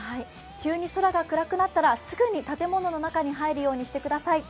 急に空が暗くなったらすぐに建物の中に入るようにしてください。